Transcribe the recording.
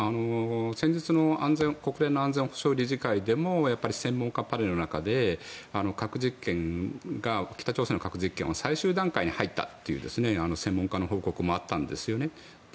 先日の国連の安全保障理事会でもやっぱり専門家パネルの中で北朝鮮の核実験は最終段階に入ったという専門家の報告もあったんですよね。